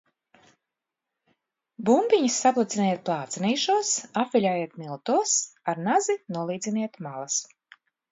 Bumbiņas saplaciniet plācenīšos, apviļājiet miltos, ar nazi nolīdziniet malas.